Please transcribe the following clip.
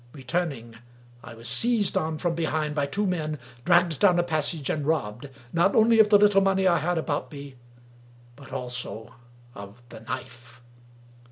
Re turning, I was seized on from behind by two men, dragged down a passage and robbed — ^not only of the little money I had about me, but also of the knife.